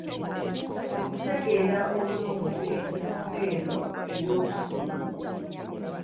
Okutegeera obulungi ensonga eno ey'okusoma